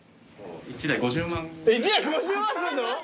１台５０万すんの？